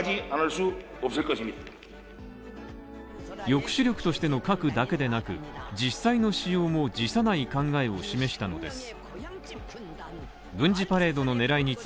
抑止力としての核だけでなく実際の使用も辞さない考えを示したのです。